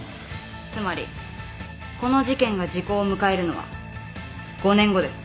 つまりこの事件が時効を迎えるのは５年後です。